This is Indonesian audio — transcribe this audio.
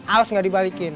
aus gak dibalikin